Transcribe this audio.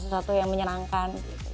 sesuatu yang menyenangkan gitu